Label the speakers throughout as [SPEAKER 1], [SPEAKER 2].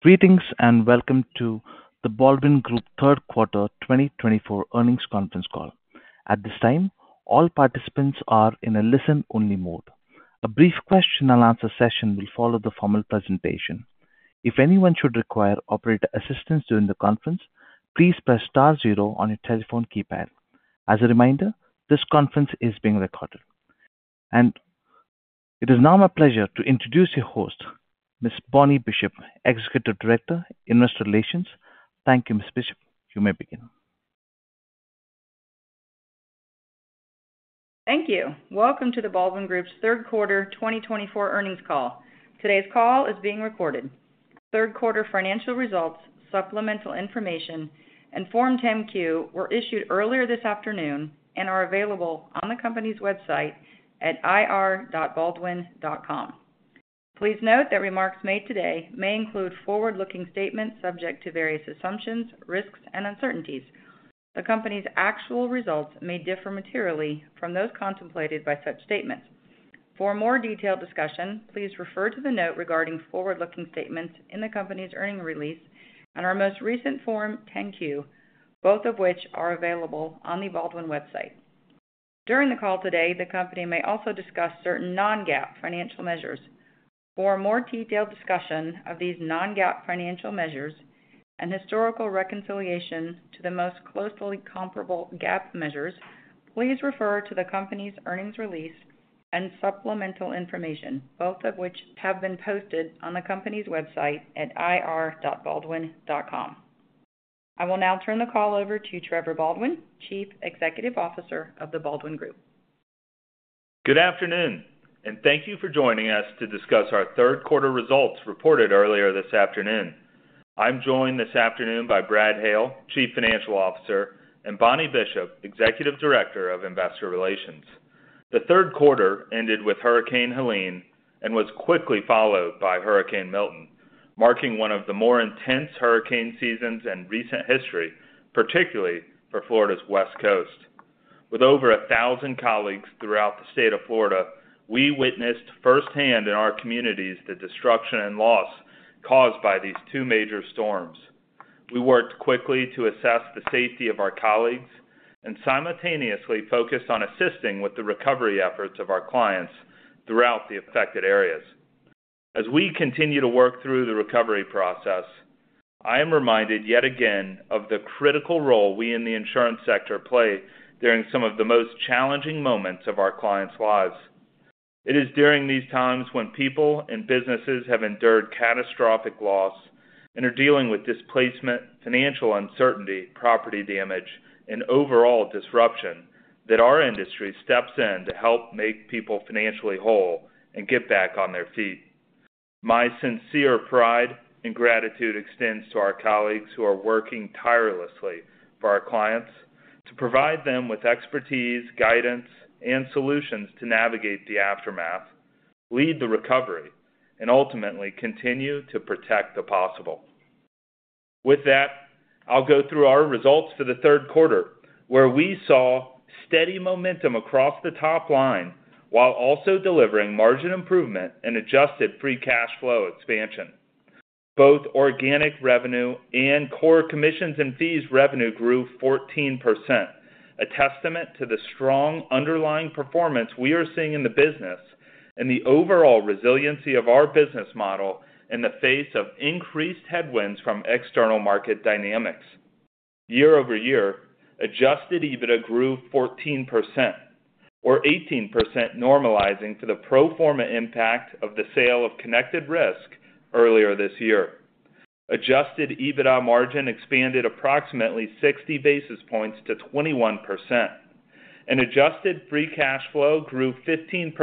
[SPEAKER 1] Greetings and welcome to The Baldwin Group Third Quarter 2024 earnings conference call. At this time, all participants are in a listen-only mode. A brief question-and-answer session will follow the formal presentation. If anyone should require operator assistance during the conference, please press star zero on your telephone keypad. As a reminder, this conference is being recorded, and it is now my pleasure to introduce your host, Miss Bonnie Bishop, Executive Director, Investor Relations. Thank you, Miss Bishop. You may begin.
[SPEAKER 2] Thank you. Welcome to The Baldwin Group's Third Quarter 2024 earnings call. Today's call is being recorded. Third Quarter financial results, supplemental information, and Form 10-Q were issued earlier this afternoon and are available on the company's website at irbaldwin.com. Please note that remarks made today may include forward-looking statements subject to various assumptions, risks, and uncertainties. The company's actual results may differ materially from those contemplated by such statements. For more detailed discussion, please refer to the note regarding forward-looking statements in the company's earnings release and our most recent Form 10-Q, both of which are available on the Baldwin website. During the call today, the company may also discuss certain non-GAAP financial measures. For more detailed discussion of these non-GAAP financial measures and historical reconciliation to the most closely comparable GAAP measures, please refer to the company's earnings release and supplemental information, both of which have been posted on the company's website at ir.baldwin.com. I will now turn the call over to Trevor Baldwin, Chief Executive Officer of The Baldwin Group.
[SPEAKER 3] Good afternoon, and thank you for joining us to discuss our third quarter results reported earlier this afternoon. I'm joined this afternoon by Brad Hale, Chief Financial Officer, and Bonnie Bishop, Executive Director of Investor Relations. The third quarter ended with Hurricane Helene and was quickly followed by Hurricane Milton, marking one of the more intense hurricane seasons in recent history, particularly for Florida's West Coast. With over 1,000 colleagues throughout the state of Florida, we witnessed firsthand in our communities the destruction and loss caused by these two major storms. We worked quickly to assess the safety of our colleagues and simultaneously focused on assisting with the recovery efforts of our clients throughout the affected areas. As we continue to work through the recovery process, I am reminded yet again of the critical role we in the insurance sector play during some of the most challenging moments of our clients' lives. It is during these times when people and businesses have endured catastrophic loss and are dealing with displacement, financial uncertainty, property damage, and overall disruption that our industry steps in to help make people financially whole and get back on their feet. My sincere pride and gratitude extends to our colleagues who are working tirelessly for our clients to provide them with expertise, guidance, and solutions to navigate the aftermath, lead the recovery, and ultimately continue to protect the possible. With that, I'll go through our results for the third quarter, where we saw steady momentum across the top line while also delivering margin improvement and Adjusted Free Cash Flow expansion. Both organic revenue and core commissions and fees revenue grew 14%, a testament to the strong underlying performance we are seeing in the business and the overall resiliency of our business model in the face of increased headwinds from external market dynamics. Year over year, Adjusted EBITDA grew 14%, or 18% normalizing for the pro forma impact of the sale of Connected Risk earlier this year. Adjusted EBITDA margin expanded approximately 60 basis points to 21%, and Adjusted Free Cash Flow grew 15%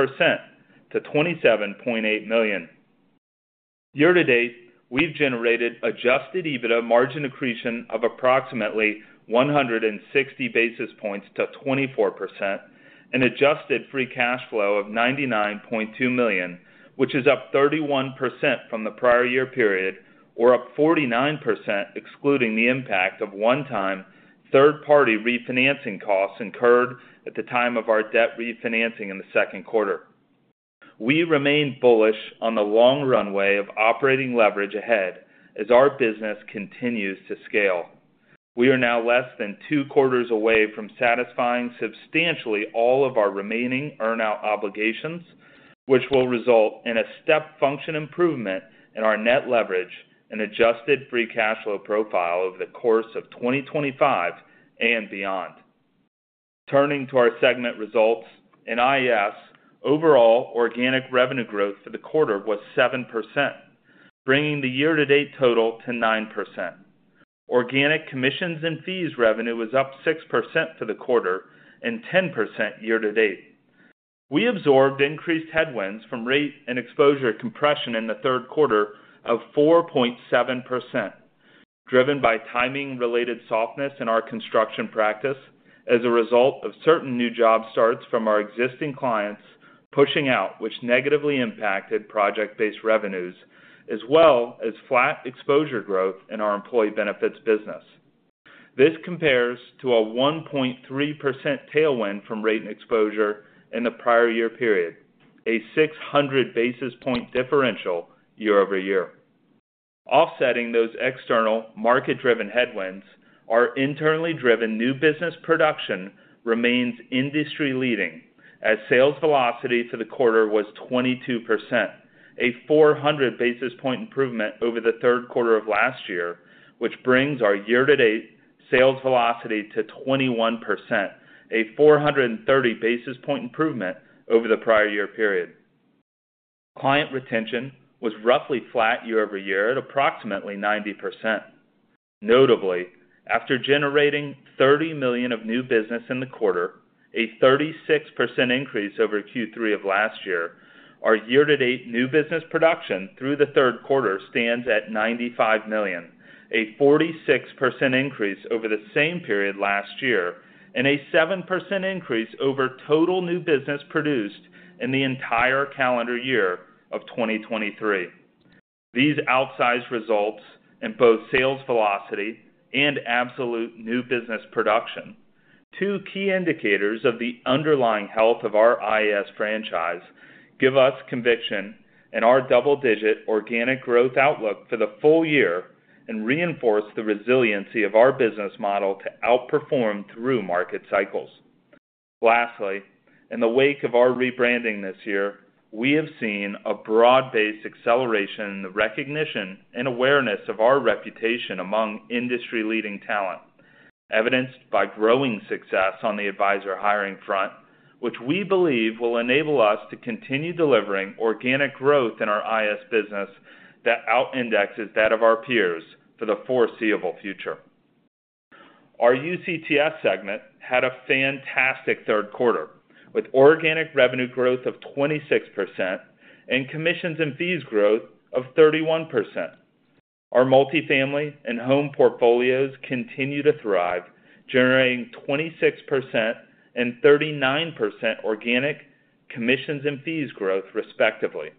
[SPEAKER 3] to $27.8 million. Year to date, we've generated Adjusted EBITDA margin accretion of approximately 160 basis points to 24% and Adjusted Free Cash Flow of $99.2 million, which is up 31% from the prior year period, or up 49% excluding the impact of one-time third-party refinancing costs incurred at the time of our debt refinancing in the second quarter. We remain bullish on the long runway of operating leverage ahead as our business continues to scale. We are now less than two quarters away from satisfying substantially all of our remaining earn-out obligations, which will result in a step function improvement in our net leverage and adjusted free cash flow profile over the course of 2025 and beyond. Turning to our segment results, in IAS, overall organic revenue growth for the quarter was 7%, bringing the year-to-date total to 9%. Organic commissions and fees revenue was up 6% for the quarter and 10% year to date. We absorbed increased headwinds from rate and exposure compression in the third quarter of 4.7%, driven by timing-related softness in our construction practice as a result of certain new job starts from our existing clients pushing out, which negatively impacted project-based revenues, as well as flat exposure growth in our employee benefits business. This compares to a 1.3% tailwind from rate and exposure in the prior year period, a 600 basis point differential year over year. Offsetting those external market-driven headwinds, our internally driven new business production remains industry-leading as sales velocity for the quarter was 22%, a 400 basis point improvement over the third quarter of last year, which brings our year-to-date sales velocity to 21%, a 430 basis point improvement over the prior year period. Client retention was roughly flat year over year at approximately 90%. Notably, after generating $30 million of new business in the quarter, a 36% increase over Q3 of last year, our year-to-date new business production through the third quarter stands at $95 million, a 46% increase over the same period last year, and a 7% increase over total new business produced in the entire calendar year of 2023. These outsized results in both sales velocity and absolute new business production, two key indicators of the underlying health of our IAS franchise, give us conviction in our double-digit organic growth outlook for the full year and reinforce the resiliency of our business model to outperform through market cycles. Lastly, in the wake of our rebranding this year, we have seen a broad-based acceleration in the recognition and awareness of our reputation among industry-leading talent, evidenced by growing success on the advisor hiring front, which we believe will enable us to continue delivering organic growth in our IAS business that out-indexes that of our peers for the foreseeable future. Our UCTS segment had a fantastic third quarter with organic revenue growth of 26% and commissions and fees growth of 31%. Our multifamily and home portfolios continue to thrive, generating 26% and 39% organic commissions and fees growth, respectively.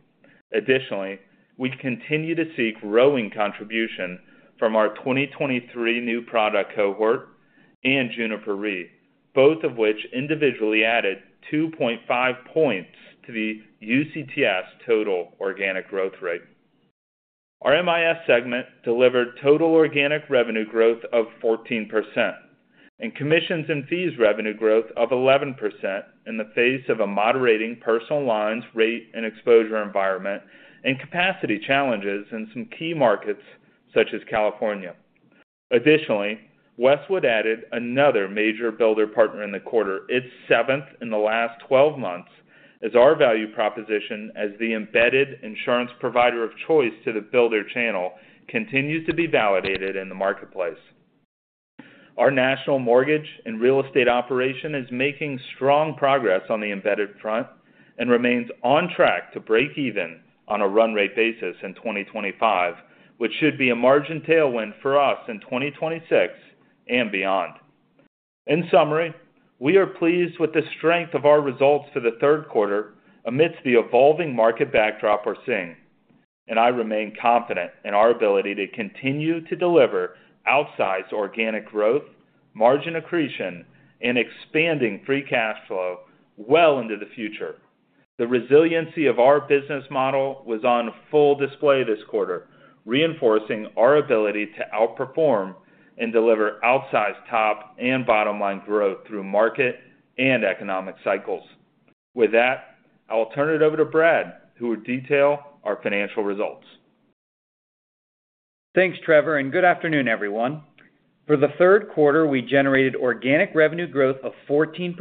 [SPEAKER 3] Additionally, we continue to see growing contribution from our 2023 new product cohort and Juniper Re, both of which individually added 2.5 points to the UCTS total organic growth rate. Our MIS segment delivered total organic revenue growth of 14% and commissions and fees revenue growth of 11% in the face of a moderating personal lines, rate, and exposure environment and capacity challenges in some key markets such as California. Additionally, Westwood added another major builder partner in the quarter, its seventh in the last 12 months, as our value proposition as the embedded insurance provider of choice to the builder channel continues to be validated in the marketplace. Our national mortgage and real estate operation is making strong progress on the embedded front and remains on track to break even on a run-rate basis in 2025, which should be a margin tailwind for us in 2026 and beyond. In summary, we are pleased with the strength of our results for the third quarter amidst the evolving market backdrop we're seeing, and I remain confident in our ability to continue to deliver outsized organic growth, margin accretion, and expanding free cash flow well into the future. The resiliency of our business model was on full display this quarter, reinforcing our ability to outperform and deliver outsized top and bottom-line growth through market and economic cycles. With that, I'll turn it over to Brad, who will detail our financial results.
[SPEAKER 4] Thanks, Trevor, and good afternoon, everyone. For the third quarter, we generated organic revenue growth of 14%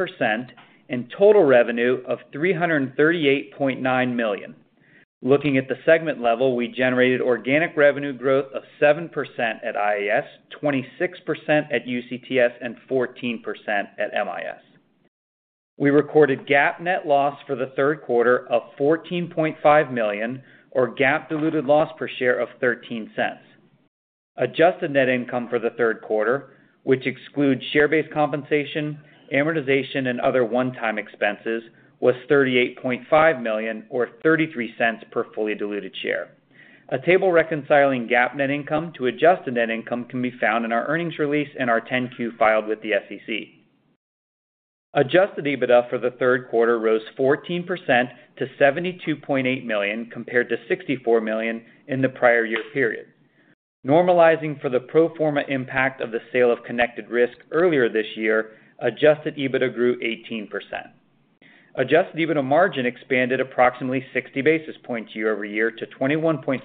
[SPEAKER 4] and total revenue of $338.9 million. Looking at the segment level, we generated organic revenue growth of 7% at IAS, 26% at UCTS, and 14% at MIS. We recorded GAAP net loss for the third quarter of $14.5 million, or GAAP diluted loss per share of $0.13. Adjusted net income for the third quarter, which excludes share-based compensation, amortization, and other one-time expenses, was $38.5 million, or $0.33 per fully diluted share. A table reconciling GAAP net income to adjusted net income can be found in our earnings release and our 10-Q filed with the SEC. Adjusted EBITDA for the third quarter rose 14% to $72.8 million, compared to $64 million in the prior year period. Normalizing for the pro forma impact of the sale of Connected Risk earlier this year, Adjusted EBITDA grew 18%. Adjusted EBITDA margin expanded approximately 60 basis points year over year to 21.5%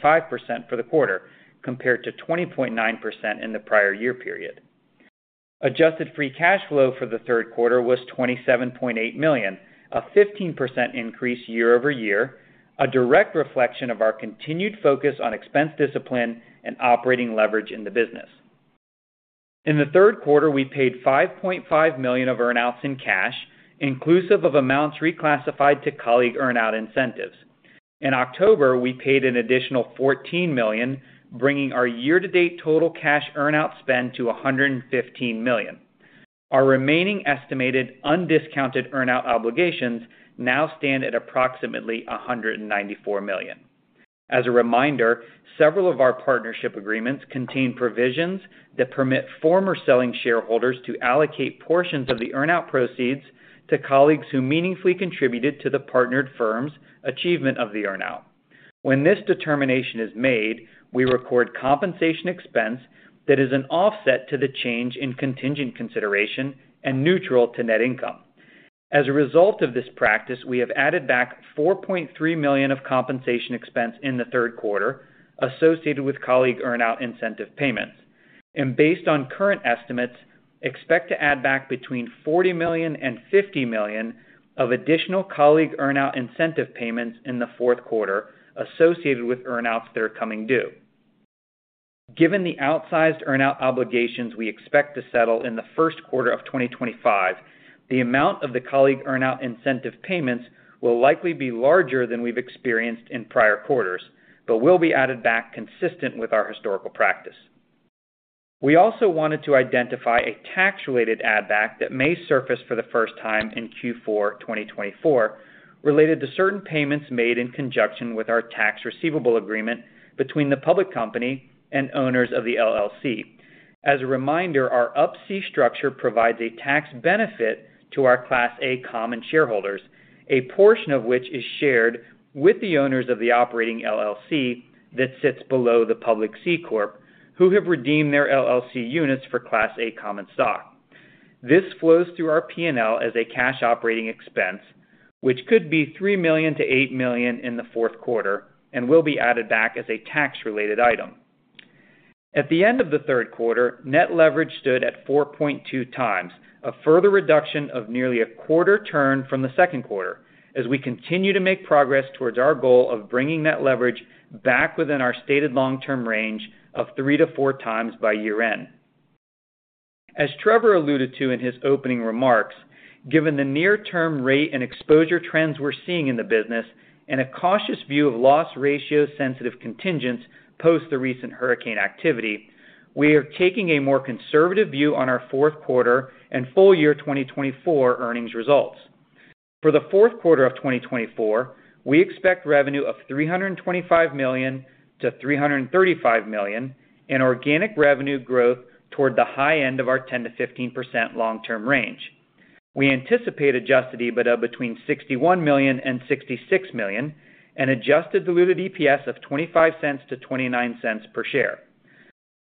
[SPEAKER 4] for the quarter, compared to 20.9% in the prior year period. Adjusted Free Cash Flow for the third quarter was $27.8 million, a 15% increase year over year, a direct reflection of our continued focus on expense discipline and operating leverage in the business. In the third quarter, we paid $5.5 million of earn-outs in cash, inclusive of amounts reclassified to colleague earn-out incentives. In October, we paid an additional $14 million, bringing our year-to-date total cash earn-out spend to $115 million. Our remaining estimated undiscounted earn-out obligations now stand at approximately $194 million. As a reminder, several of our partnership agreements contain provisions that permit former selling shareholders to allocate portions of the earn-out proceeds to colleagues who meaningfully contributed to the partnered firm's achievement of the earn-out. When this determination is made, we record compensation expense that is an offset to the change in contingent consideration and neutral to net income. As a result of this practice, we have added back $4.3 million of compensation expense in the third quarter associated with colleague earn-out incentive payments. Based on current estimates, we expect to add back between $40 million and $50 million of additional colleague earn-out incentive payments in the fourth quarter associated with earn-outs that are coming due. Given the outsized earn-out obligations we expect to settle in the first quarter of 2025, the amount of the colleague earn-out incentive payments will likely be larger than we've experienced in prior quarters, but will be added back consistent with our historical practice. We also wanted to identify a tax-related add-back that may surface for the first time in Q4 2024 related to certain payments made in conjunction with our Tax Receivable Agreement between the public company and owners of the LLC. As a reminder, our Up-C structure provides a tax benefit to our Class A common shareholders, a portion of which is shared with the owners of the operating LLC that sits below the public C Corp, who have redeemed their LLC units for Class A common stock. This flows through our P&L as a cash operating expense, which could be $3 million-$8 million in the fourth quarter and will be added back as a tax-related item. At the end of the third quarter, net leverage stood at 4.2 times, a further reduction of nearly a quarter turn from the second quarter as we continue to make progress towards our goal of bringing net leverage back within our stated long-term range of three to four times by year-end. As Trevor alluded to in his opening remarks, given the near-term rate and exposure trends we're seeing in the business and a cautious view of loss ratio-sensitive contingents post the recent hurricane activity, we are taking a more conservative view on our fourth quarter and full year 2024 earnings results. For the fourth quarter of 2024, we expect revenue of $325 million-$335 million in organic revenue growth toward the high end of our 10%-15% long-term range. We anticipate adjusted EBITDA between $61 million and $66 million and adjusted diluted EPS of $0.25-$0.29 per share.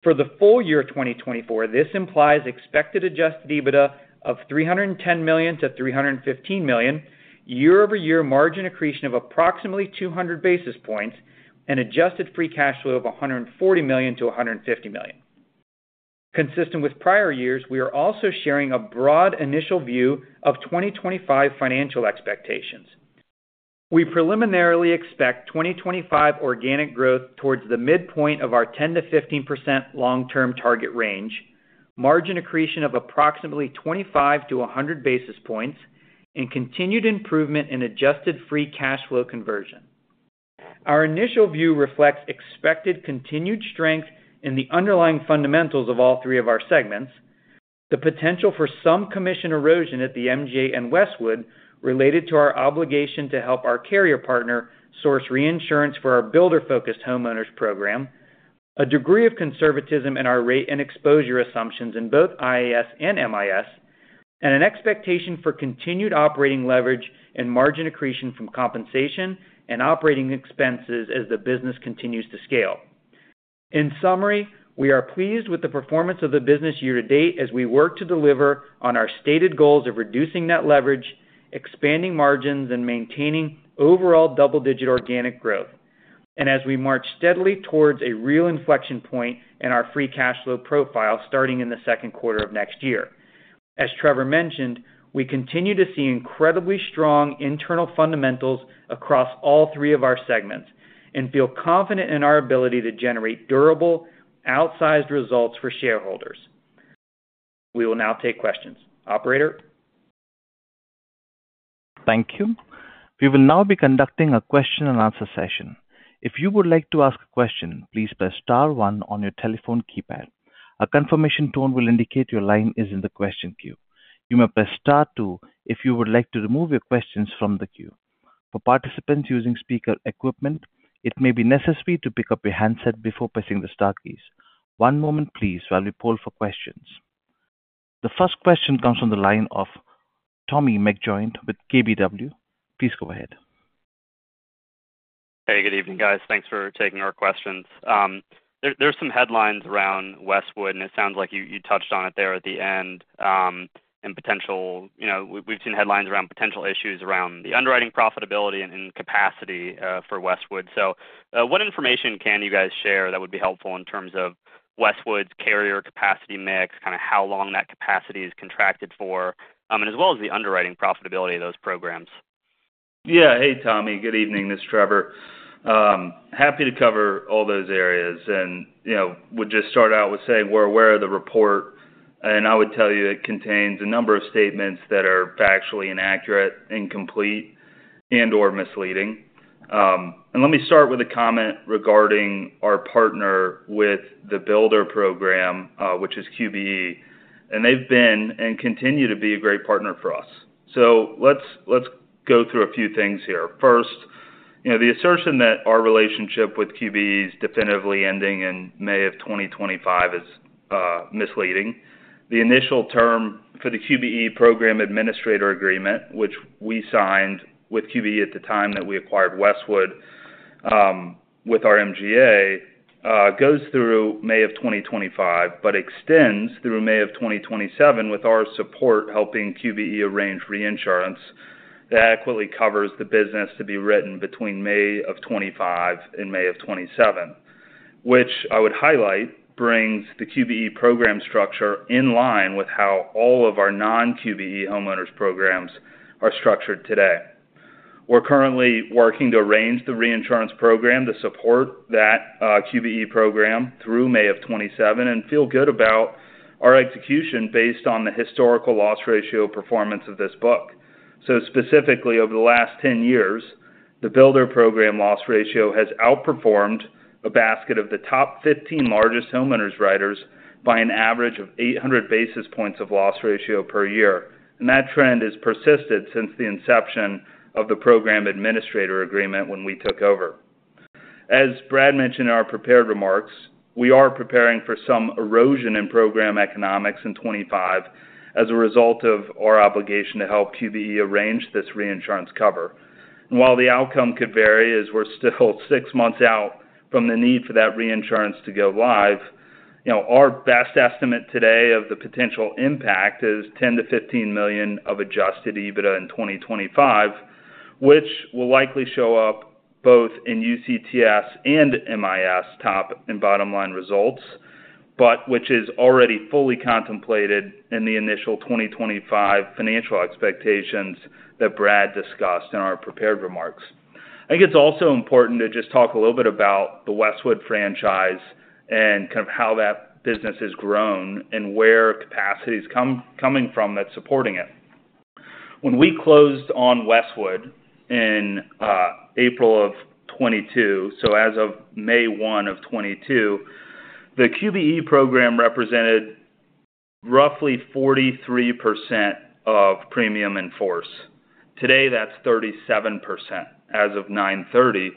[SPEAKER 4] For the full year 2024, this implies expected adjusted EBITDA of $310 million-$315 million, year-over-year margin accretion of approximately 200 basis points, and adjusted free cash flow of $140 million to $150 million. Consistent with prior years, we are also sharing a broad initial view of 2025 financial expectations. We preliminarily expect 2025 organic growth towards the midpoint of our 10%-15% long-term target range, margin accretion of approximately 25 to 100 basis points, and continued improvement in adjusted free cash flow conversion. Our initial view reflects expected continued strength in the underlying fundamentals of all three of our segments, the potential for some commission erosion at the MGA and Westwood related to our obligation to help our carrier partner source reinsurance for our builder-focused homeowners program, a degree of conservatism in our rate and exposure assumptions in both IAS and MIS, and an expectation for continued operating leverage and margin accretion from compensation and operating expenses as the business continues to scale. In summary, we are pleased with the performance of the business year to date as we work to deliver on our stated goals of reducing net leverage, expanding margins, and maintaining overall double-digit organic growth, and as we march steadily towards a real inflection point in our free cash flow profile starting in the second quarter of next year. As Trevor mentioned, we continue to see incredibly strong internal fundamentals across all three of our segments and feel confident in our ability to generate durable outsized results for shareholders. We will now take questions. Operator.
[SPEAKER 1] Thank you. We will now be conducting a question-and-answer session. If you would like to ask a question, please press Star one on your telephone keypad. A confirmation tone will indicate your line is in the question queue. You may press Star two if you would like to remove your questions from the queue. For participants using speaker equipment, it may be necessary to pick up your handset before pressing the star keys. One moment, please, while we poll for questions. The first question comes from the line of Tommy McJoynt with KBW. Please go ahead.
[SPEAKER 5] Hey, good evening, guys. Thanks for taking our questions. There are some headlines around Westwood, and it sounds like you touched on it there at the end and potential, we've seen headlines around potential issues around the underwriting profitability and capacity for Westwood. So what information can you guys share that would be helpful in terms of Westwood's carrier capacity mix, kind of how long that capacity is contracted for, and as well as the underwriting profitability of those programs?
[SPEAKER 3] Yeah. Hey, Tommy. Good evening. This is Trevor. Happy to cover all those areas. And we'll just start out with saying we're aware of the report, and I would tell you it contains a number of statements that are factually inaccurate, incomplete, and/or misleading. And let me start with a comment regarding our partner with the builder program, which is QBE, and they've been and continue to be a great partner for us. So let's go through a few things here. First, the assertion that our relationship with QBE is definitively ending in May of 2025 is misleading. The initial term for the QBE program administrator agreement, which we signed with QBE at the time that we acquired Westwood with our MGA, goes through May of 2025 but extends through May of 2027 with our support helping QBE arrange reinsurance that adequately covers the business to be written between May of 2025 and May of 2027, which I would highlight brings the QBE program structure in line with how all of our non-QBE homeowners programs are structured today. We're currently working to arrange the reinsurance program to support that QBE program through May of 2027 and feel good about our execution based on the historical loss ratio performance of this book. So specifically, over the last 10 years, the builder program loss ratio has outperformed a basket of the top 15 largest homeowners writers by an average of 800 basis points of loss ratio per year. That trend has persisted since the inception of the program administrator agreement when we took over. As Brad mentioned in our prepared remarks, we are preparing for some erosion in program economics in 2025 as a result of our obligation to help QBE arrange this reinsurance cover. While the outcome could vary as we're still six months out from the need for that reinsurance to go live, our best estimate today of the potential impact is $10 million-$15 million of Adjusted EBITDA in 2025, which will likely show up both in UCTS and MIS top- and bottom-line results, but which is already fully contemplated in the initial 2025 financial expectations that Brad discussed in our prepared remarks. I think it's also important to just talk a little bit about the Westwood franchise and kind of how that business has grown and where capacity is coming from that's supporting it. When we closed on Westwood in April of 2022, so as of May 1 of 2022, the QBE program represented roughly 43% of premium in force. Today, that's 37% as of 9/30,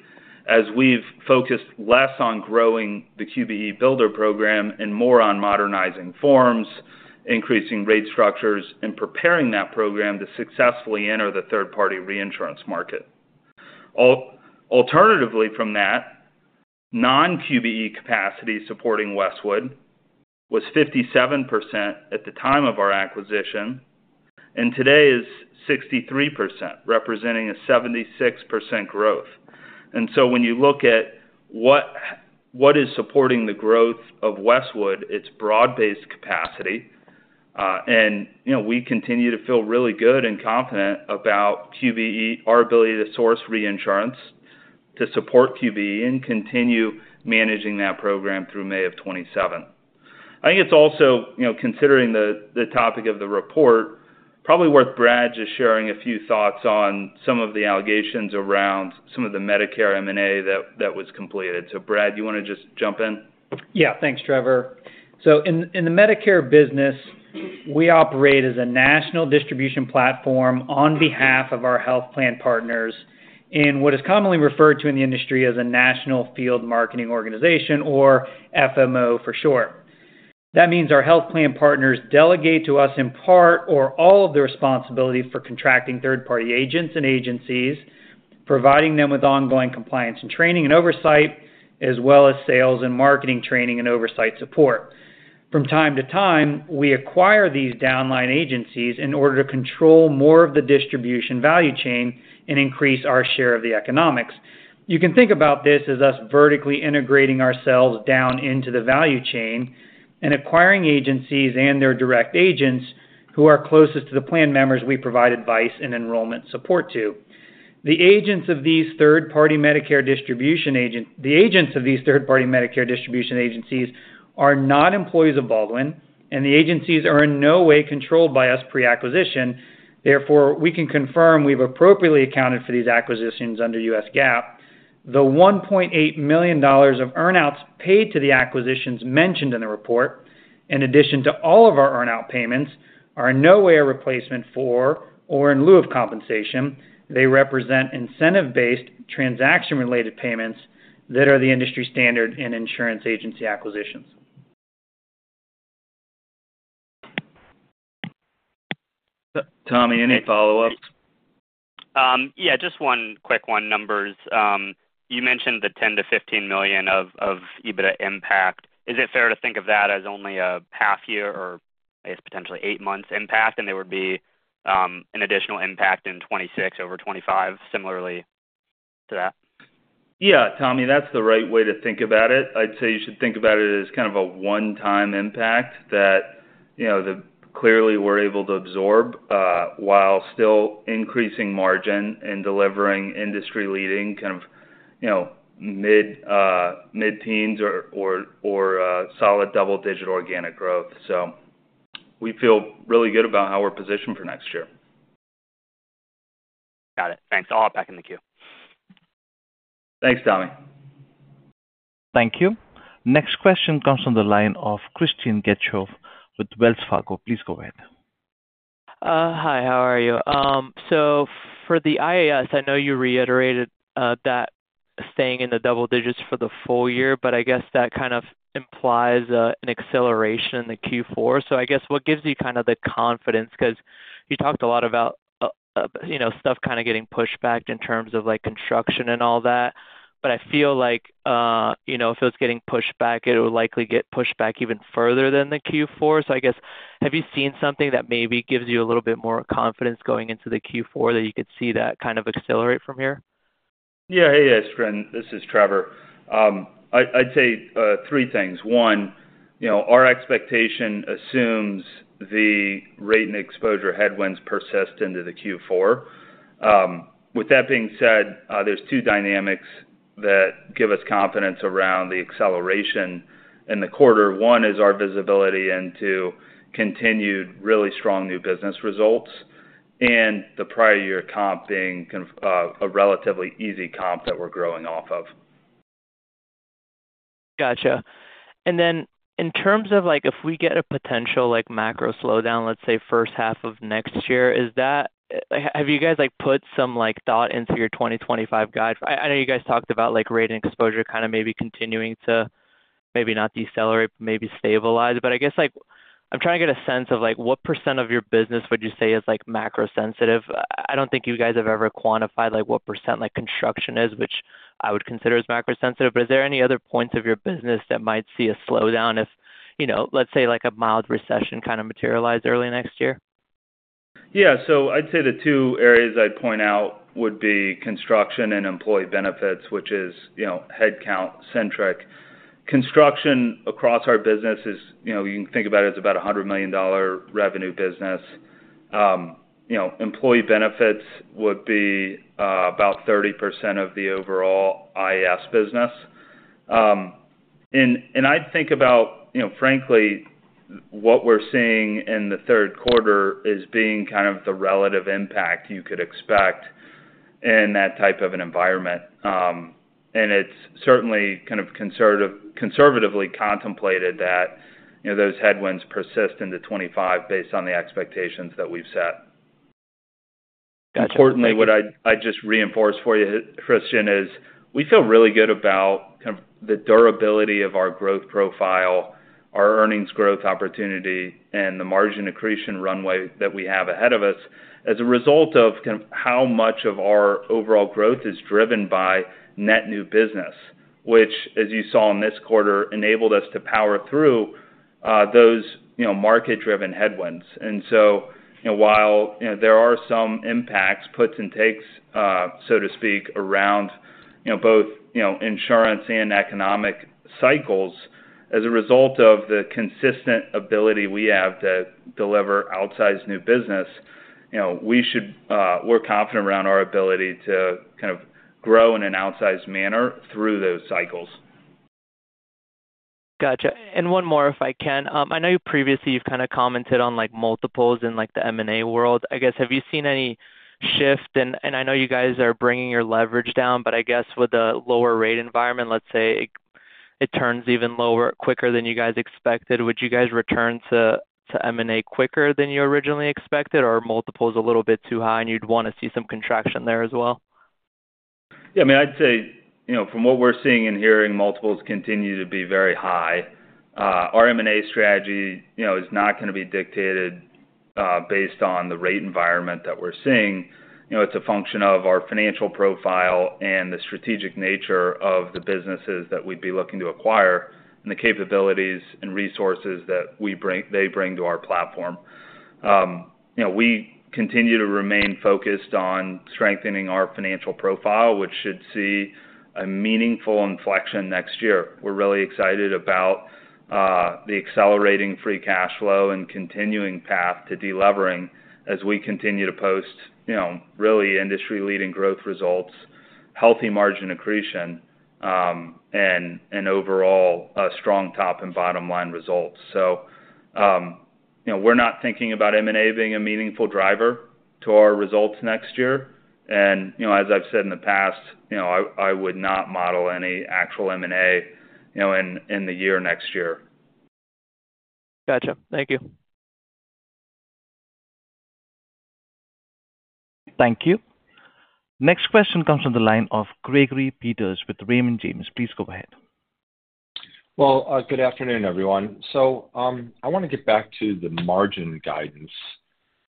[SPEAKER 3] as we've focused less on growing the QBE builder program and more on modernizing forms, increasing rate structures, and preparing that program to successfully enter the third-party reinsurance market. Alternatively from that, non-QBE capacity supporting Westwood was 57% at the time of our acquisition, and today is 63%, representing a 76% growth. And so when you look at what is supporting the growth of Westwood, it's broad-based capacity. And we continue to feel really good and confident about QBE, our ability to source reinsurance to support QBE and continue managing that program through May of 2027. I think it's also, considering the topic of the report, probably worth Brad just sharing a few thoughts on some of the allegations around some of the Medicare M&A that was completed. So Brad, you want to just jump in?
[SPEAKER 4] Yeah. Thanks, Trevor. So in the Medicare business, we operate as a national distribution platform on behalf of our health plan partners in what is commonly referred to in the industry as a national field marketing organization, or FMO for short. That means our health plan partners delegate to us in part or all of the responsibility for contracting third-party agents and agencies, providing them with ongoing compliance and training and oversight, as well as sales and marketing training and oversight support. From time to time, we acquire these downline agencies in order to control more of the distribution value chain and increase our share of the economics. You can think about this as us vertically integrating ourselves down into the value chain and acquiring agencies and their direct agents who are closest to the plan members we provide advice and enrollment support to. The agents of these third-party Medicare distribution agencies are not employees of Baldwin, and the agencies are in no way controlled by us pre-acquisition. Therefore, we can confirm we've appropriately accounted for these acquisitions under U.S. GAAP. The $1.8 million of earnouts paid to the acquisitions mentioned in the report, in addition to all of our earnout payments, are in no way a replacement for or in lieu of compensation. They represent incentive-based transaction-related payments that are the industry standard in insurance agency acquisitions.
[SPEAKER 3] Tommy, any follow-ups?
[SPEAKER 5] Yeah. Just one quick one. Numbers. You mentioned the $10 million-$15 million of EBITDA impact. Is it fair to think of that as only a half-year or, I guess, potentially eight months impact, and there would be an additional impact in 2026 over 2025 similarly to that?
[SPEAKER 3] Yeah. Tommy, that's the right way to think about it. I'd say you should think about it as kind of a one-time impact that clearly we're able to absorb while still increasing margin and delivering industry-leading kind of mid-teens or solid double-digit organic growth. So we feel really good about how we're positioned for next year.
[SPEAKER 5] Got it. Thanks. I'll hop back in the queue.
[SPEAKER 3] Thanks, Tommy.
[SPEAKER 1] Thank you. Next question comes from the line of Christian Getzoff with Wells Fargo. Please go ahead.
[SPEAKER 6] Hi. How are you? So for the IAS, I know you reiterated that staying in the double digits for the full year, but I guess that kind of implies an acceleration in the Q4. So I guess what gives you kind of the confidence? Because you talked a lot about stuff kind of getting pushed back in terms of construction and all that, but I feel like if it was getting pushed back, it would likely get pushed back even further than the Q4. So I guess, have you seen something that maybe gives you a little bit more confidence going into the Q4 that you could see that kind of accelerate from here?
[SPEAKER 3] Yeah. Hey, Icefriend. This is Trevor. I'd say three things. One, our expectation assumes the rate and exposure headwinds persist into the Q4. With that being said, there's two dynamics that give us confidence around the acceleration in the quarter. One is our visibility into continued really strong new business results and the prior-year comp being a relatively easy comp that we're growing off of.
[SPEAKER 6] Gotcha. And then in terms of if we get a potential macro slowdown, let's say first half of next year, have you guys put some thought into your 2025 guide? I know you guys talked about rate and exposure kind of maybe continuing to maybe not decelerate, but maybe stabilize. But I guess I'm trying to get a sense of what percent of your business would you say is macro-sensitive? I don't think you guys have ever quantified what percent construction is, which I would consider as macro-sensitive. But is there any other points of your business that might see a slowdown if, let's say, a mild recession kind of materialize early next year?
[SPEAKER 3] Yeah. So I'd say the two areas I'd point out would be construction and employee benefits, which is headcount-centric. Construction across our business is you can think about it as about a $100 million revenue business. Employee benefits would be about 30% of the overall IAS business. And I'd think about, frankly, what we're seeing in the third quarter as being kind of the relative impact you could expect in that type of an environment. And it's certainly kind of conservatively contemplated that those headwinds persist into 2025 based on the expectations that we've set.
[SPEAKER 6] Gotcha.
[SPEAKER 3] Importantly, what I'd just reinforce for you, Christian, is we feel really good about kind of the durability of our growth profile, our earnings growth opportunity, and the margin accretion runway that we have ahead of us as a result of kind of how much of our overall growth is driven by net new business, which, as you saw in this quarter, enabled us to power through those market-driven headwinds, and so while there are some impacts, puts and takes, so to speak, around both insurance and economic cycles as a result of the consistent ability we have to deliver outsized new business, we're confident around our ability to kind of grow in an outsized manner through those cycles.
[SPEAKER 6] Gotcha. And one more, if I can. I know previously you've kind of commented on multiples in the M&A world. I guess, have you seen any shift? And I know you guys are bringing your leverage down, but I guess with a lower rate environment, let's say it turns even quicker than you guys expected, would you guys return to M&A quicker than you originally expected, or are multiples a little bit too high and you'd want to see some contraction there as well?
[SPEAKER 3] Yeah. I mean, I'd say from what we're seeing and hearing, multiples continue to be very high. Our M&A strategy is not going to be dictated based on the rate environment that we're seeing. It's a function of our financial profile and the strategic nature of the businesses that we'd be looking to acquire and the capabilities and resources that they bring to our platform. We continue to remain focused on strengthening our financial profile, which should see a meaningful inflection next year. We're really excited about the accelerating free cash flow and continuing path to delevering as we continue to post really industry-leading growth results, healthy margin accretion, and overall strong top and bottom-line results. So we're not thinking about M&A being a meaningful driver to our results next year. And as I've said in the past, I would not model any actual M&A in the year next year.
[SPEAKER 6] Gotcha. Thank you.
[SPEAKER 1] Thank you. Next question comes from the line of Gregory Peters with Raymond James. Please go ahead.
[SPEAKER 7] Good afternoon, everyone. I want to get back to the margin guidance.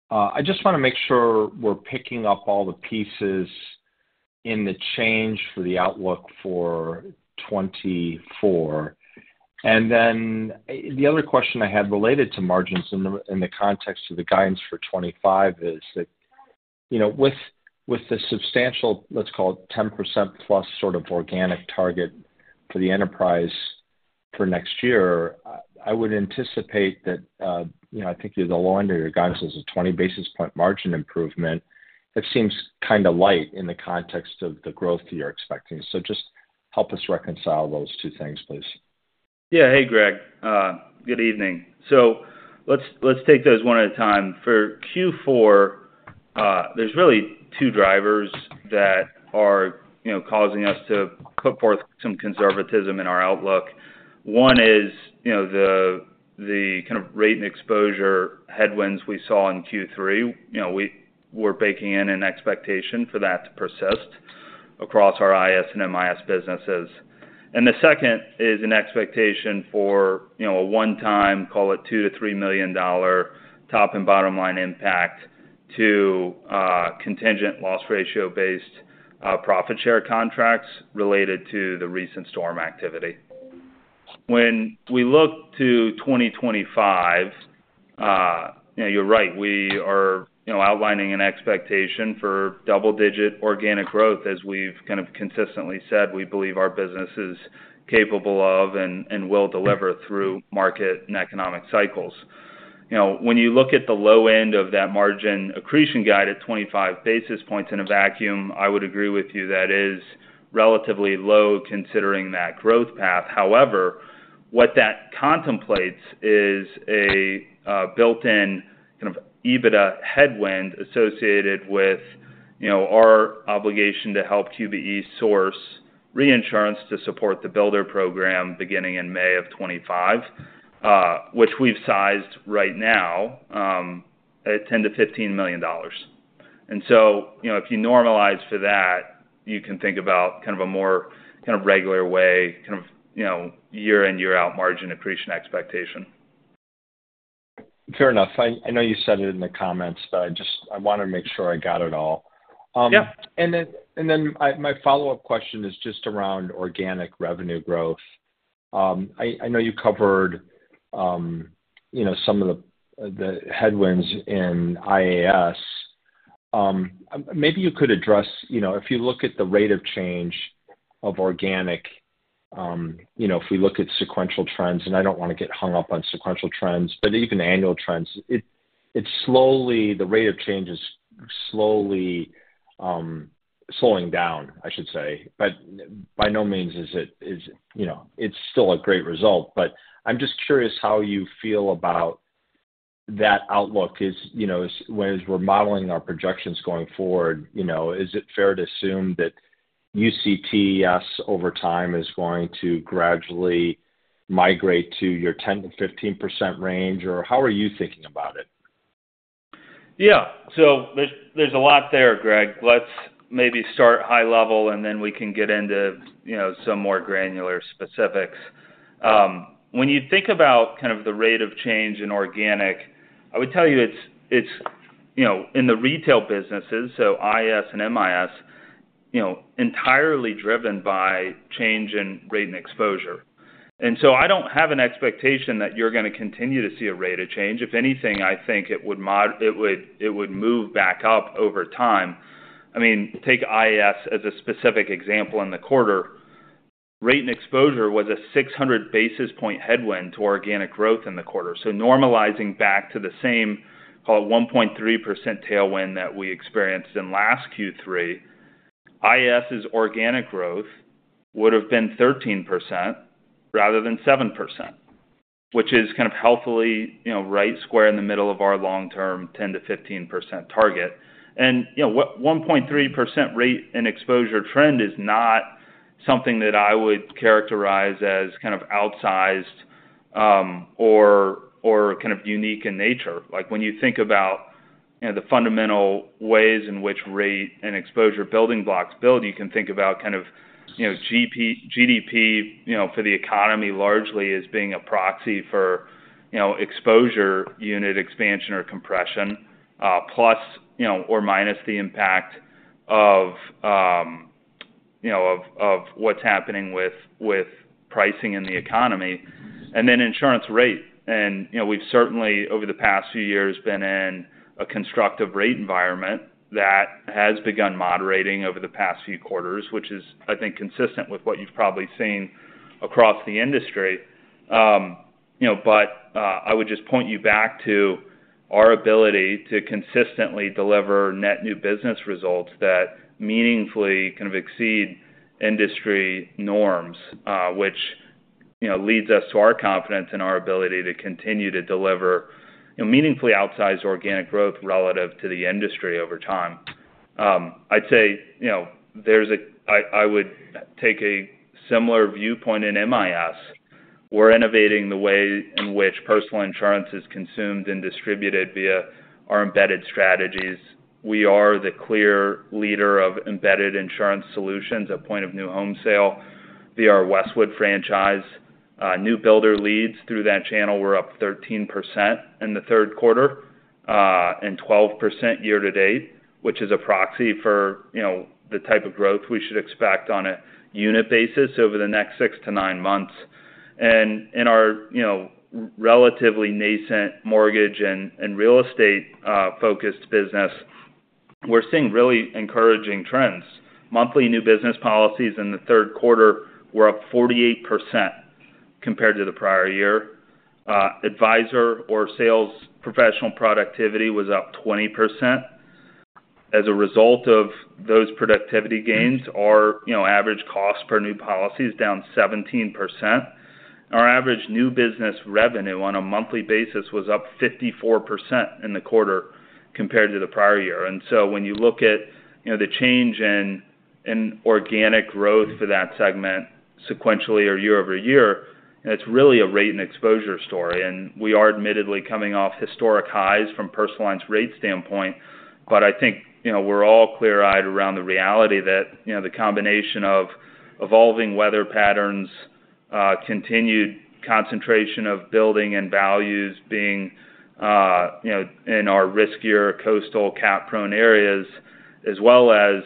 [SPEAKER 7] I just want to make sure we're picking up all the pieces in the change for the outlook for 2024. The other question I had related to margins in the context of the guidance for 2025 is that with the substantial, let's call it 10% plus sort of organic target for the enterprise for next year, I would anticipate that I think you're the low end of your guidance as a 20 basis points margin improvement that seems kind of light in the context of the growth you're expecting. Just help us reconcile those two things, please.
[SPEAKER 3] Yeah. Hey, Greg. Good evening. So let's take those one at a time. For Q4, there's really two drivers that are causing us to put forth some conservatism in our outlook. One is the kind of rate and exposure headwinds we saw in Q3. We're baking in an expectation for that to persist across our IES and MIS businesses. And the second is an expectation for a one-time, call it $2 million-$3 million top and bottom-line impact to contingent loss ratio-based profit share contracts related to the recent storm activity. When we look to 2025, you're right. We are outlining an expectation for double-digit organic growth, as we've kind of consistently said we believe our business is capable of and will deliver through market and economic cycles. When you look at the low end of that margin accretion guide at 25 basis points in a vacuum, I would agree with you that is relatively low considering that growth path. However, what that contemplates is a built-in kind of EBITDA headwind associated with our obligation to help QBE source reinsurance to support the builder program beginning in May of 2025, which we've sized right now at $10 million-$15 million, and so if you normalize for that, you can think about kind of a more kind of regular way, kind of year-end, year-out margin accretion expectation.
[SPEAKER 7] Fair enough. I know you said it in the comments, but I want to make sure I got it all. And then my follow-up question is just around organic revenue growth. I know you covered some of the headwinds in IAS. Maybe you could address if you look at the rate of change of organic, if we look at sequential trends, and I don't want to get hung up on sequential trends, but even annual trends, the rate of change is slowly slowing down, I should say. But by no means is it, it's still a great result. But I'm just curious how you feel about that outlook. As we're modeling our projections going forward, is it fair to assume that UCTS over time is going to gradually migrate to your 10%-15% range, or how are you thinking about it?
[SPEAKER 3] Yeah. So there's a lot there, Greg. Let's maybe start high level, and then we can get into some more granular specifics. When you think about kind of the rate of change in organic, I would tell you it's in the retail businesses, so IAS and MIS, entirely driven by change in rate and exposure. And so I don't have an expectation that you're going to continue to see a rate of change. If anything, I think it would move back up over time. I mean, take IAS as a specific example in the quarter. Rate and exposure was a 600 basis points headwind to organic growth in the quarter. So normalizing back to the same, call it 1.3% tailwind that we experienced in last Q3, IAS's organic growth would have been 13% rather than 7%, which is kind of healthily right square in the middle of our long-term 10%-15% target. And 1.3% rate and exposure trend is not something that I would characterize as kind of outsized or kind of unique in nature. When you think about the fundamental ways in which rate and exposure building blocks build, you can think about kind of GDP for the economy largely as being a proxy for exposure unit expansion or compression plus or minus the impact of what's happening with pricing in the economy. And then insurance rate. We've certainly, over the past few years, been in a constructive rate environment that has begun moderating over the past few quarters, which is, I think, consistent with what you've probably seen across the industry. I would just point you back to our ability to consistently deliver net new business results that meaningfully kind of exceed industry norms, which leads us to our confidence in our ability to continue to deliver meaningfully outsized organic growth relative to the industry over time. I'd say I would take a similar viewpoint in MIS. We're innovating the way in which personal insurance is consumed and distributed via our embedded strategies. We are the clear leader of embedded insurance solutions at point of new home sale via our Westwood franchise. New builder leads through that channel. We're up 13% in the third quarter and 12% year to date, which is a proxy for the type of growth we should expect on a unit basis over the next six to nine months, and in our relatively nascent mortgage and real estate-focused business, we're seeing really encouraging trends. Monthly new business policies in the third quarter were up 48% compared to the prior year. Advisor or sales professional productivity was up 20%. As a result of those productivity gains, our average cost per new policy is down 17%. Our average new business revenue on a monthly basis was up 54% in the quarter compared to the prior year, and so when you look at the change in organic growth for that segment sequentially or year over year, it's really a rate and exposure story. We are admittedly coming off historic highs from personalized rate standpoint, but I think we're all clear-eyed around the reality that the combination of evolving weather patterns, continued concentration of building and values being in our riskier coastal cap-prone areas, as well as,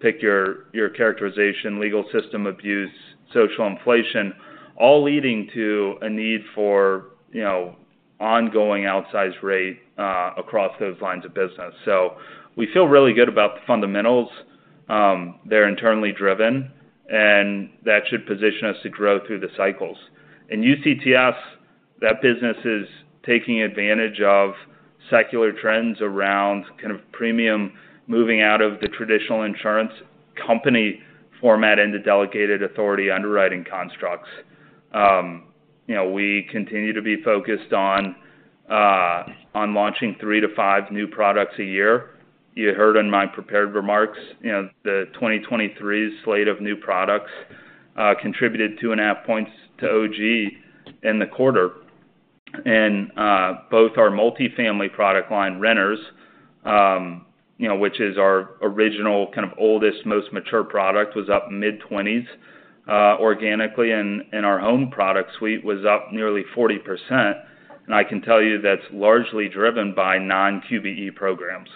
[SPEAKER 3] pick your characterization, legal system abuse, social inflation, all leading to a need for ongoing outsized rate across those lines of business. We feel really good about the fundamentals. They're internally driven, and that should position us to grow through the cycles. In UCTS, that business is taking advantage of secular trends around kind of premium moving out of the traditional insurance company format into delegated authority underwriting constructs. We continue to be focused on launching three to five new products a year. You heard in my prepared remarks, the 2023 slate of new products contributed 2.5 points to OG in the quarter. And both our multifamily product line, Renters, which is our original kind of oldest, most mature product, was up mid-20s organically, and our home product suite was up nearly 40%. And I can tell you that's largely driven by non-QBE programs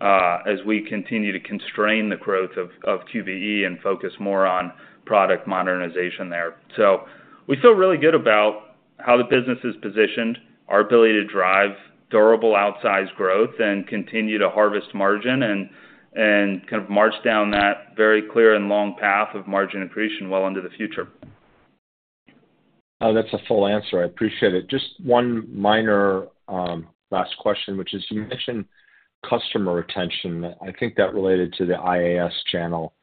[SPEAKER 3] as we continue to constrain the growth of QBE and focus more on product modernization there. So we feel really good about how the business is positioned, our ability to drive durable outsized growth, and continue to harvest margin and kind of march down that very clear and long path of margin accretion well into the future.
[SPEAKER 7] That's a full answer. I appreciate it. Just one minor last question, which is you mentioned customer retention. I think that related to the IAS channel.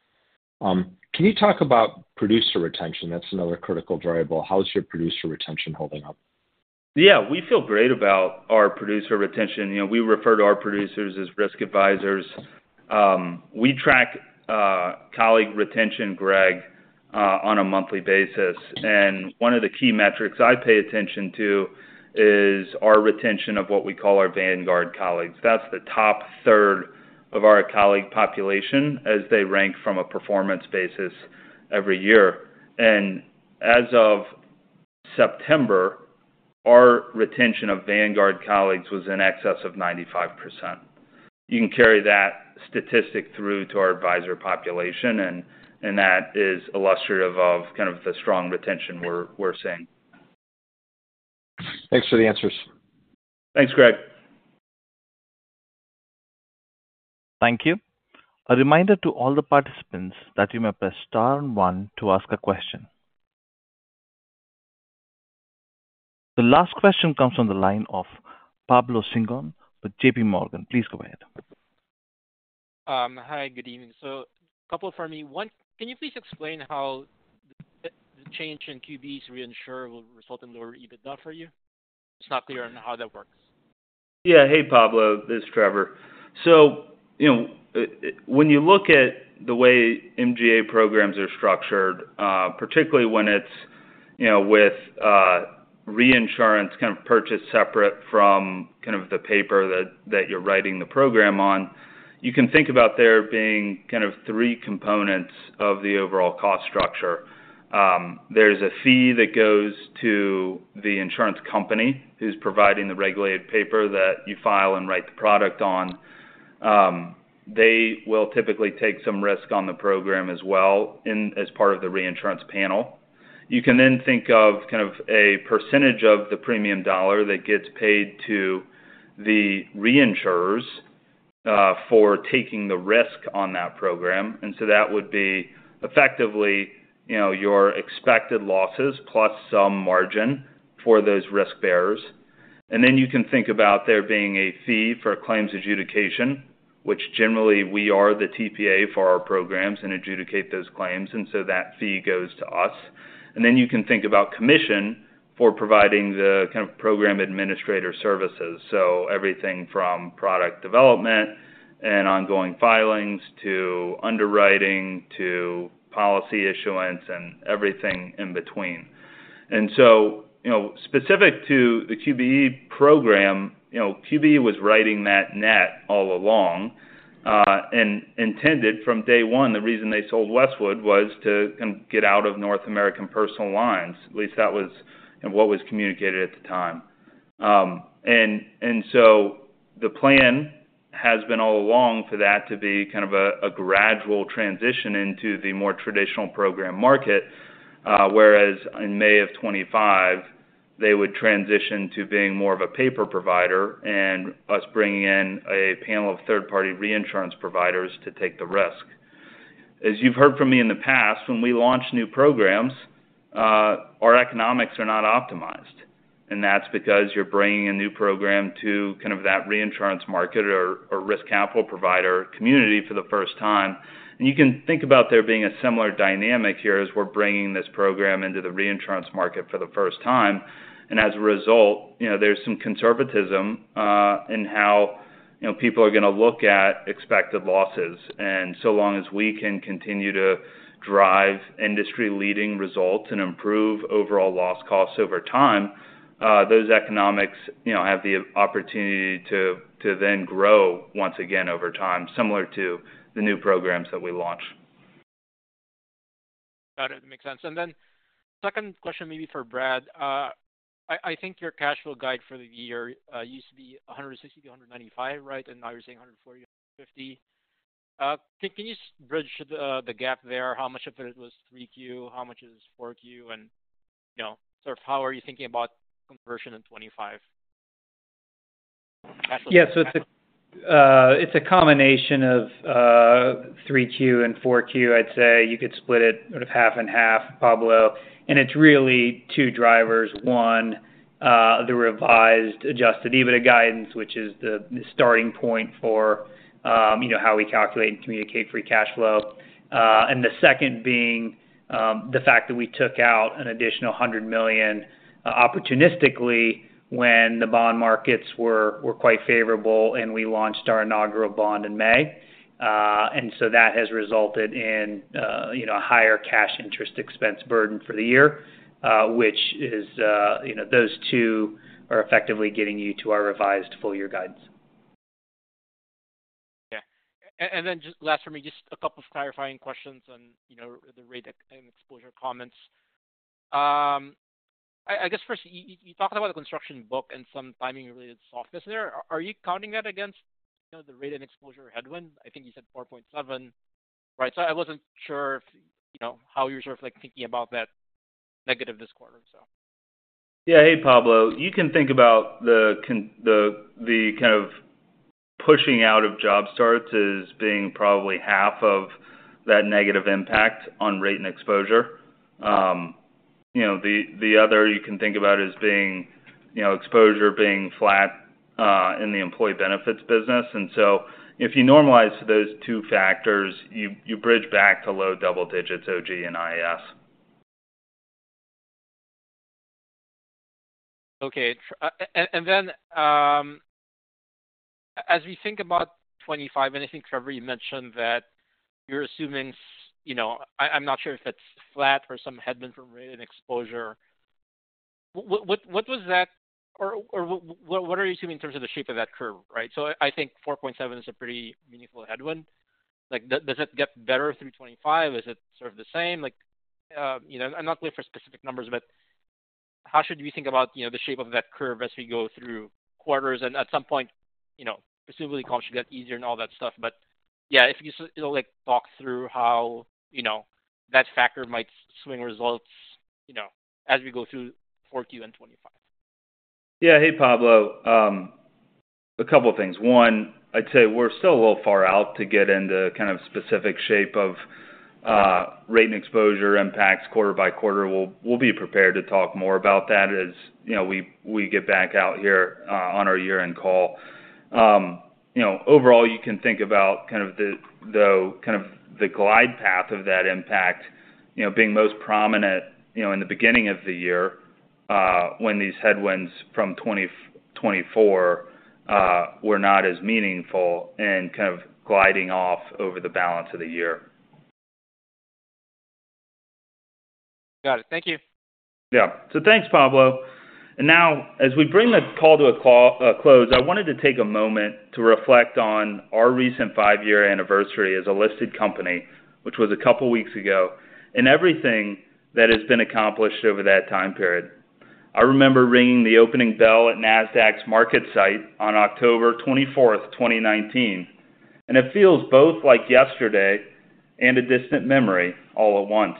[SPEAKER 7] Can you talk about producer retention? That's another critical variable. How's your producer retention holding up?
[SPEAKER 3] Yeah. We feel great about our producer retention. We refer to our producers as risk advisors. We track colleague retention, Greg, on a monthly basis. And one of the key metrics I pay attention to is our retention of what we call our Vanguard colleagues. That's the top third of our colleague population as they rank from a performance basis every year. And as of September, our retention of Vanguard colleagues was in excess of 95%. You can carry that statistic through to our advisor population, and that is illustrative of kind of the strong retention we're seeing.
[SPEAKER 7] Thanks for the answers.
[SPEAKER 3] Thanks, Greg.
[SPEAKER 1] Thank you. A reminder to all the participants that you may press star and one to ask a question. The last question comes from the line of Pablo Singzon with JP Morgan. Please go ahead.
[SPEAKER 8] Hi. Good evening. So a couple for me. One, can you please explain how the change in QBE's reinsurance will result in lower EBITDA for you? It's not clear on how that works.
[SPEAKER 3] Yeah. Hey, Pablo. This is Trevor, so when you look at the way MGA programs are structured, particularly when it's with reinsurance kind of purchased separate from kind of the paper that you're writing the program on, you can think about there being kind of three components of the overall cost structure. There's a fee that goes to the insurance company who's providing the regulated paper that you file and write the product on. They will typically take some risk on the program as well as part of the reinsurance panel. You can then think of kind of a percentage of the premium dollar that gets paid to the reinsurers for taking the risk on that program. And so that would be effectively your expected losses plus some margin for those risk bearers. And then you can think about there being a fee for claims adjudication, which generally we are the TPA for our programs and adjudicate those claims. And so that fee goes to us. And then you can think about commission for providing the kind of program administrator services. So everything from product development and ongoing filings to underwriting to policy issuance and everything in between. And so specific to the QBE program, QBE was writing that net all along and intended from day one. The reason they sold Westwood was to kind of get out of North American personal lines. At least that was what was communicated at the time. And so the plan has been all along for that to be kind of a gradual transition into the more traditional program market, whereas in May of 2025, they would transition to being more of a paper provider and us bringing in a panel of third-party reinsurance providers to take the risk. As you've heard from me in the past, when we launch new programs, our economics are not optimized. And that's because you're bringing a new program to kind of that reinsurance market or risk capital provider community for the first time. And as a result, there's some conservatism in how people are going to look at expected losses. So long as we can continue to drive industry-leading results and improve overall loss costs over time, those economics have the opportunity to then grow once again over time, similar to the new programs that we launch.
[SPEAKER 8] Got it. Makes sense. And then second question maybe for Brad. I think your cash flow guide for the year used to be $160-$195, right? And now you're saying $140-$150. Can you bridge the gap there? How much of it was 3Q? How much is 4Q? And sort of how are you thinking about conversion in 2025?
[SPEAKER 4] Yeah. So it's a combination of 3Q and 4Q, I'd say. You could split it sort of half and half, Pablo. And it's really two drivers. One, the revised Adjusted EBITDA guidance, which is the starting point for how we calculate and communicate free cash flow. And the second being the fact that we took out an additional $100 million opportunistically when the bond markets were quite favorable and we launched our inaugural bond in May. And so that has resulted in a higher cash interest expense burden for the year, which is those two are effectively getting you to our revised full-year guidance.
[SPEAKER 8] Okay. And then just last for me, just a couple of clarifying questions on the rate and exposure comments. I guess first, you talked about the construction book and some timing-related softness there. Are you counting that against the rate and exposure headwind? I think you said 4.7, right? So I wasn't sure how you're sort of thinking about that negative this quarter, so.
[SPEAKER 3] Yeah. Hey, Pablo. You can think about the kind of pushing out of job starts as being probably half of that negative impact on rate and exposure. The other you can think about as exposure being flat in the employee benefits business, and so if you normalize to those two factors, you bridge back to low double digits, OG and IIS.
[SPEAKER 8] Okay. Then as we think about 2025, and I think Trevor, you mentioned that you're assuming I'm not sure if that's flat or some headwind from rate and exposure. What was that or what are you assuming in terms of the shape of that curve, right? I think 4.7 is a pretty meaningful headwind. Does it get better through 2025? Is it sort of the same? I'm not going for specific numbers, but how should we think about the shape of that curve as we go through quarters? And at some point, presumably, cost should get easier and all that stuff. Yeah, if you just talk through how that factor might swing results as we go through 2024 and 2025.
[SPEAKER 3] Yeah. Hey, Pablo. A couple of things. One, I'd say we're still a little far out to get into kind of specific shape of rate and exposure impacts quarter by quarter. We'll be prepared to talk more about that as we get back out here on our year-end call. Overall, you can think about kind of the glide path of that impact being most prominent in the beginning of the year when these headwinds from 2024 were not as meaningful and kind of gliding off over the balance of the year.
[SPEAKER 8] Got it. Thank you.
[SPEAKER 3] Yeah. So thanks, Pablo. And now, as we bring the call to a close, I wanted to take a moment to reflect on our recent five-year anniversary as a listed company, which was a couple of weeks ago, and everything that has been accomplished over that time period. I remember ringing the opening bell at Nasdaq's market site on October 24th, 2019. And it feels both like yesterday and a distant memory all at once.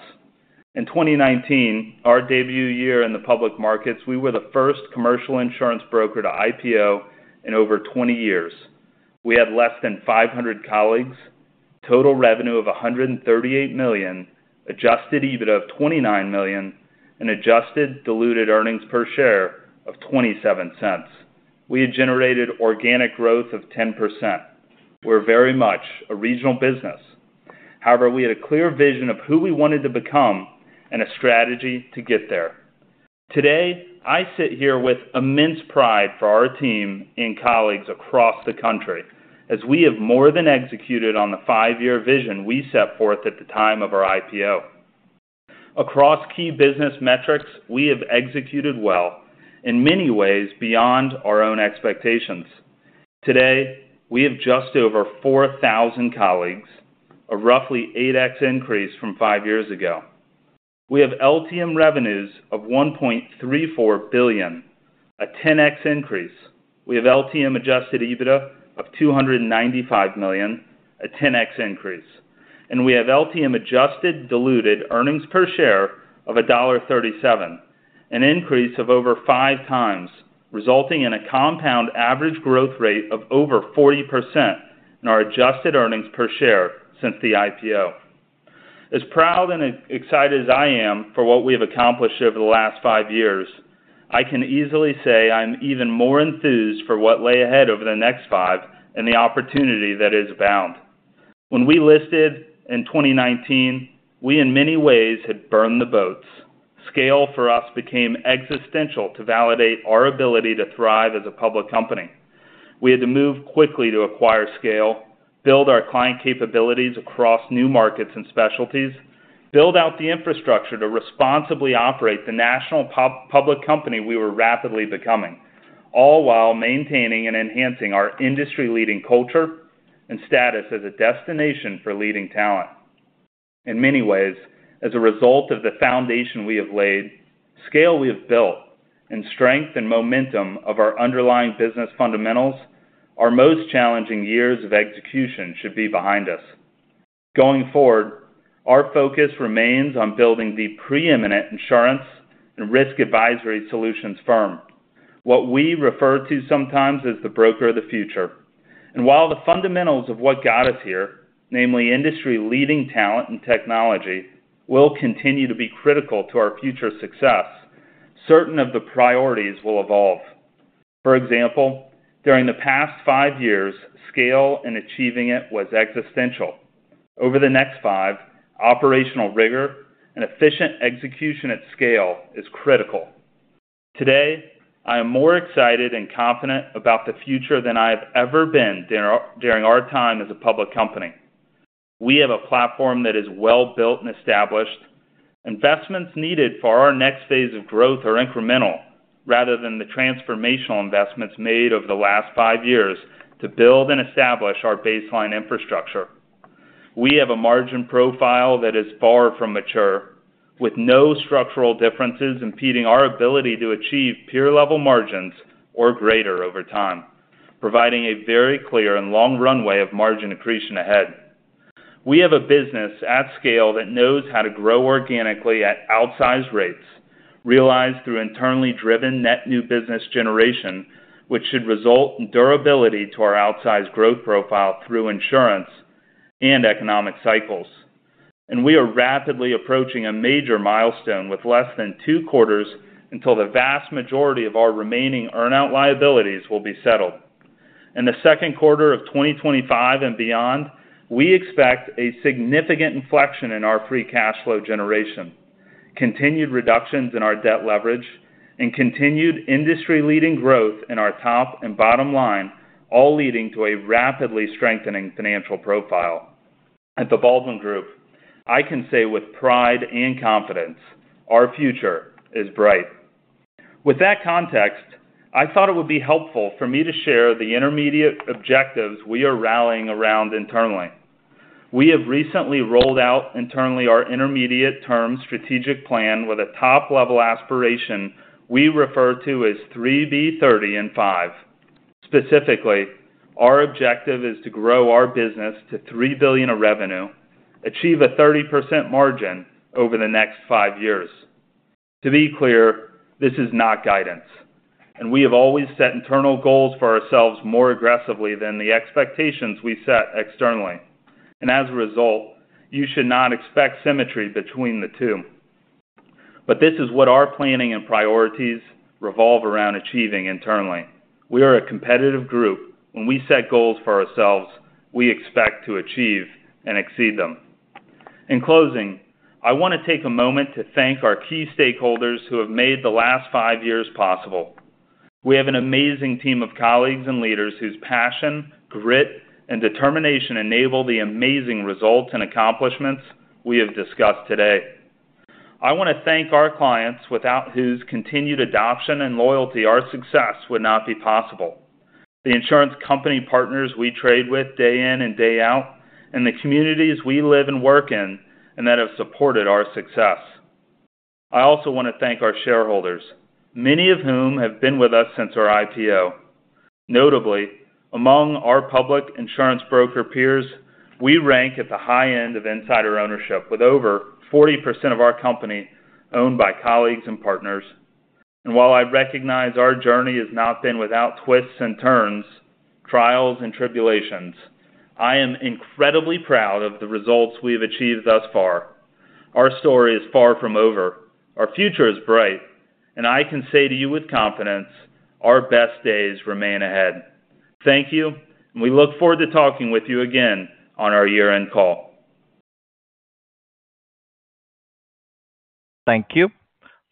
[SPEAKER 3] In 2019, our debut year in the public markets, we were the first commercial insurance broker to IPO in over 20 years. We had less than 500 colleagues, total revenue of $138 million, Adjusted EBITDA of $29 million, and adjusted diluted earnings per share of $0.27. We had generated organic growth of 10%. We're very much a regional business. However, we had a clear vision of who we wanted to become and a strategy to get there. Today, I sit here with immense pride for our team and colleagues across the country as we have more than executed on the five-year vision we set forth at the time of our IPO. Across key business metrics, we have executed well in many ways beyond our own expectations. Today, we have just over 4,000 colleagues, a roughly 8X increase from five years ago. We have LTM revenues of $1.34 billion, a 10X increase. We have LTM adjusted EBITDA of $295 million, a 10X increase. And we have LTM adjusted diluted earnings per share of $1.37, an increase of over five times, resulting in a compound average growth rate of over 40% in our adjusted earnings per share since the IPO. As proud and excited as I am for what we have accomplished over the last five years, I can easily say I'm even more enthused for what lies ahead over the next five and the opportunity that is boundless. When we listed in 2019, we in many ways had burned the boats. Scale for us became existential to validate our ability to thrive as a public company. We had to move quickly to acquire scale, build our client capabilities across new markets and specialties, build out the infrastructure to responsibly operate the national public company we were rapidly becoming, all while maintaining and enhancing our industry-leading culture and status as a destination for leading talent. In many ways, as a result of the foundation we have laid, scale we have built, and strength and momentum of our underlying business fundamentals, our most challenging years of execution should be behind us. Going forward, our focus remains on building the preeminent insurance and risk advisory solutions firm, what we refer to sometimes as the Broker of the Future. And while the fundamentals of what got us here, namely industry-leading talent and technology, will continue to be critical to our future success, certain of the priorities will evolve. For example, during the past five years, scale and achieving it was existential. Over the next five, operational rigor and efficient execution at scale is critical. Today, I am more excited and confident about the future than I have ever been during our time as a public company. We have a platform that is well-built and established. Investments needed for our next phase of growth are incremental rather than the transformational investments made over the last five years to build and establish our baseline infrastructure. We have a margin profile that is far from mature, with no structural differences impeding our ability to achieve peer-level margins or greater over time, providing a very clear and long-run way of margin accretion ahead. We have a business at scale that knows how to grow organically at outsized rates, realized through internally driven net new business generation, which should result in durability to our outsized growth profile through insurance and economic cycles. And we are rapidly approaching a major milestone with less than two quarters until the vast majority of our remaining earn-out liabilities will be settled. In the second quarter of 2025 and beyond, we expect a significant inflection in our free cash flow generation, continued reductions in our debt leverage, and continued industry-leading growth in our top and bottom line, all leading to a rapidly strengthening financial profile. At The Baldwin Group, I can say with pride and confidence, our future is bright. With that context, I thought it would be helpful for me to share the intermediate objectives we are rallying around internally. We have recently rolled out internally our intermediate-term strategic plan with a top-level aspiration we refer to as 3B30 in 5. Specifically, our objective is to grow our business to $3 billion of revenue, achieve a 30% margin over the next five years. To be clear, this is not guidance, and we have always set internal goals for ourselves more aggressively than the expectations we set externally, and as a result, you should not expect symmetry between the two, but this is what our planning and priorities revolve around achieving internally. We are a competitive group. When we set goals for ourselves, we expect to achieve and exceed them. In closing, I want to take a moment to thank our key stakeholders who have made the last five years possible. We have an amazing team of colleagues and leaders whose passion, grit, and determination enable the amazing results and accomplishments we have discussed today. I want to thank our clients without whose continued adoption and loyalty our success would not be possible. The insurance company partners we trade with day in and day out, and the communities we live and work in, and that have supported our success. I also want to thank our shareholders, many of whom have been with us since our IPO. Notably, among our public insurance broker peers, we rank at the high end of insider ownership with over 40% of our company owned by colleagues and partners. While I recognize our journey has not been without twists and turns, trials, and tribulations, I am incredibly proud of the results we have achieved thus far. Our story is far from over. Our future is bright. I can say to you with confidence, our best days remain ahead. Thank you. We look forward to talking with you again on our year-end call.
[SPEAKER 1] Thank you.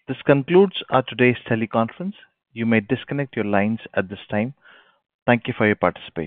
[SPEAKER 1] This concludes our today's teleconference. You may disconnect your lines at this time. Thank you for your participation.